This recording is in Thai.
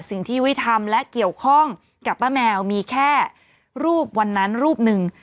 สิ่งที่ไว้ทำและเกี่ยวข้องกับป้าแมวมีแค่รูปวันนั้นรูปหนึ่ง